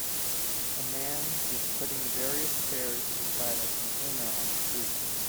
A man is putting various chairs inside a container on the street.